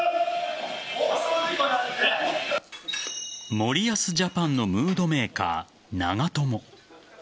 森保ジャパンのムードメーカー長友。